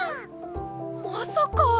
まさか！